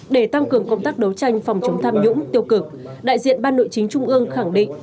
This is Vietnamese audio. để tăng cường công tác đấu tranh phòng chống tham nhũng tiêu cực đại diện ban nội chính trung ương khẳng định